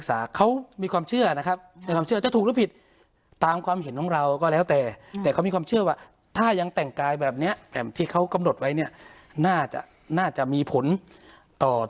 ต่อต่อความประพฤติจิริยธรรมคุณธรรมของนักเรียนในระยะยาวมากขึ้นเท่านั้นเอง